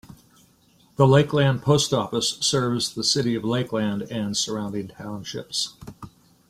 The Lakeland Post Office serves the city of Lakeland and surrounding townships.